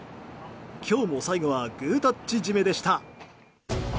今日も最後はグータッチ締めでした。